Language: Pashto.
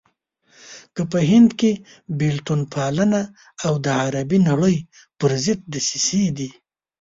که په هند کې بېلتون پالنه او د عربي نړۍ پرضد دسيسې دي.